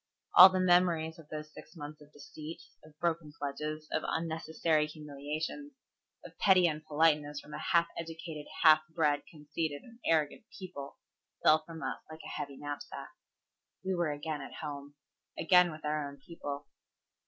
All the memories of those six months of deceit, of broken pledges, of unnecessary humiliations, of petty unpoliteness from a half educated, half bred, conceited, and arrogant people fell from us like a heavy knapsack. We were again at home. Again with our own people.